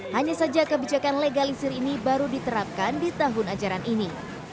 hanya saja kebijakan legalisir ini baru diterapkan di tahun ajaran ini